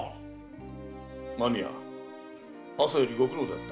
間宮朝よりご苦労であった。